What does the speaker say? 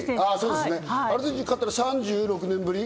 アルゼンチンが勝ったら３６年ぶり？